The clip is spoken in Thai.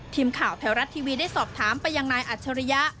ทีมข่าวแถวรัฐทีวีได้สอบถามไปยังนายอัจฉริยะ